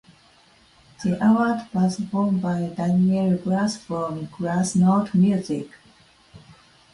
The award was won by Daniel Glass from Glassnote Music.